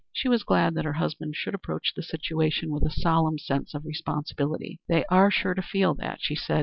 She was glad that her husband should approach the situation with a solemn sense of responsibility. "They are sure to feel that," she said.